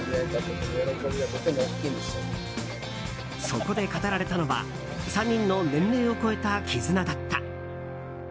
そこで語られたのは３人の年齢を超えた絆だった。